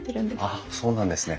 あっそうなんですね。